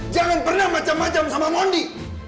jangan pernah macam macam sama mondi